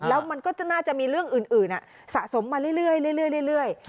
แล้วมันก็น่าจะมีเรื่องอื่นสะสมมาเรื่อย